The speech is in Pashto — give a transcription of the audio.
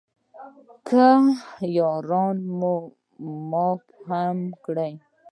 که یاران مې معاف هم کړي.